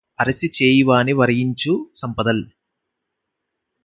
అరసి చేయువాని వరియించు సంపదల్